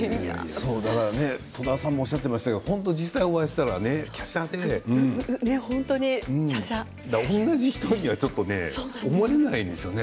戸田さんもおっしゃっていましたけれど本当にお会いすると、きゃしゃで同じ人とは思えないんですよね